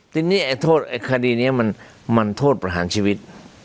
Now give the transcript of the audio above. ทีนี้ไอ้โทษไอ้คดีนี้มันโทษประหารชีวิต